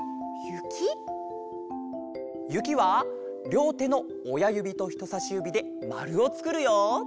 ゆきはりょうてのおやゆびとひとさしゆびでまるをつくるよ！